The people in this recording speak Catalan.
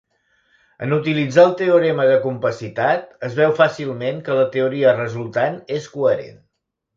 En utilitzar el teorema de compacitat, es veu fàcilment que la teoria resultant és coherent.